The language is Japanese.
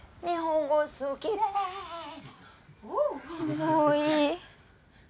もういい。